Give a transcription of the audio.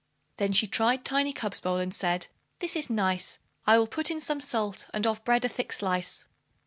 Then she tried Tiny Cub's bowl, and said, "This is nice; I will put in some salt, and of bread a thick slice."